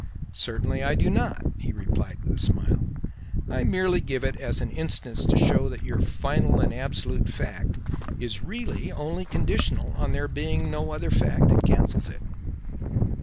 "Certainly I do not," he replied with a smile. "I merely give it as an instance to show that your final and absolute fact is really only conditional on there being no other fact that cancels it."